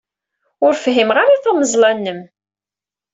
Ur fhimeɣ ara tameẓla-nnem.